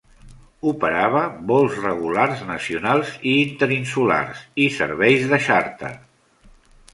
Operava vols regulars nacionals i interinsulars i serveis de xàrter.